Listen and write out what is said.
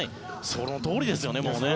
そのとおりです。